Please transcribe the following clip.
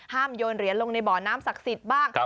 โยนเหรียญลงในบ่อน้ำศักดิ์สิทธิ์บ้าง